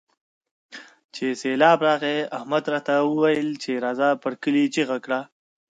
چې سېبلاب راغی؛ احمد راته وويل چې راځه پر کلي چيغه کړه.